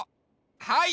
はい！